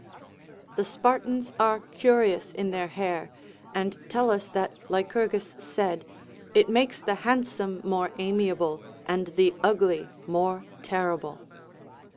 The Spartans are curious in their hair, and tell us that Lycurgus said, It makes the handsome more amiable, and the ugly more terrible.